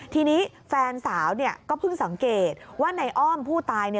ทีนี้แฟนสาวก็เพิ่งสังเกตว่าในอ้อมผู้ตาย